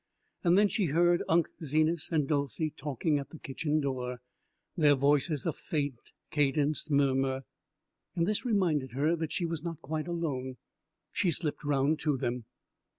Then she heard Unc' Zenas and Dolcey talking at the kitchen door, their voices a faint cadenced murmur; and this reminded her that she was not quite alone. She slipped round to them.